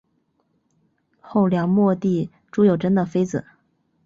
后梁末帝朱友贞的妃子。